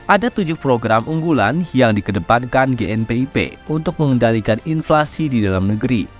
ada tujuh program unggulan yang dikedepankan gnpip untuk mengendalikan inflasi di dalam negeri